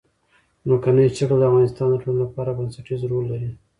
ځمکنی شکل د افغانستان د ټولنې لپاره بنسټيز رول لري.